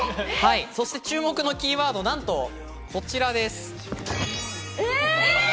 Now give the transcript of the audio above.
注目のキーワード、なんとこちらです。